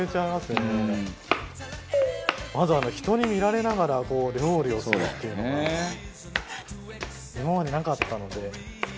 まずあの人に見られながらこう料理をするっていうのが今までなかったので。